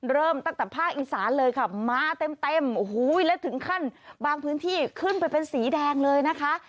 เริ่มตั้งแต่ภาคอีสานเลยค่ะมาเต็มเต็มโอ้โหและถึงขั้นบางพื้นที่ขึ้นไปเป็นสีแดงเลยนะคะ